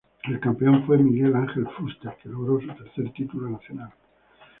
El campeón fue Miguel Ángel Fuster que logró su tercer título nacional.